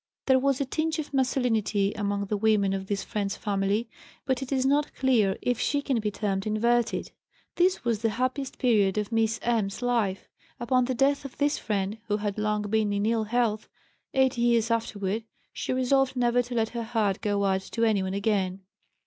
There was a tinge of masculinity among the women of this friend's family, but it is not clear if she can be termed inverted. This was the happiest period of Miss M.'s life. Upon the death of this friend, who had long been in ill health, eight years afterward, she resolved never to let her heart go out to anyone again.